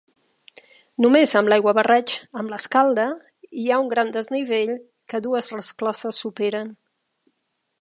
Només amb l'aiguabarreig amb l'Escalda hi ha un gran desnivell que dues rescloses superen.